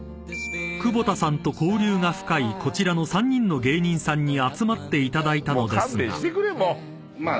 ［久保田さんと交流が深いこちらの３人の芸人さんに集まっていただいたのですが］